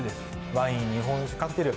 ワイン日本酒カクテル